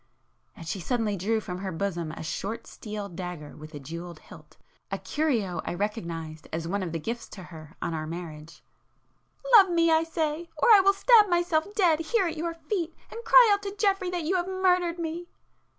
and she suddenly drew from her bosom a short steel dagger with a jewelled hilt, a curio I recognized as one of the gifts to her on her marriage; "Love me, I say!—or I will stab myself dead here at your feet, and cry out to Geoffrey that you have murdered me!"